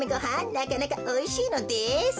なかなかおいしいのです。